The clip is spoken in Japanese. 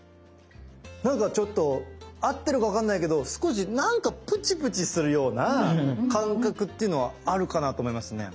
なんかちょっと合ってるかわかんないけど少しなんかプチプチするような感覚っていうのはあるかなと思いますね。